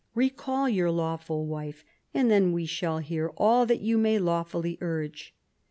Eecall your lawful wife, and then we will hear all that you may lawfully urge.